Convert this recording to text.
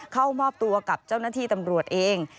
เข้ามอบตัวกับเจ้าหน้าที่ตำรวจเอง